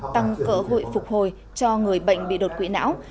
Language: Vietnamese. tăng cơ hội phục hồi cho người bệnh bị đột quỵ não